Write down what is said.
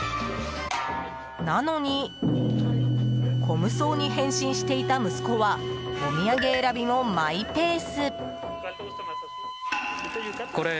なのに虚無僧に変身していた息子はお土産選びもマイペース。